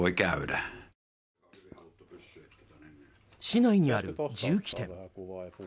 市内にある銃器店。